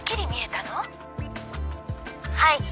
「はい。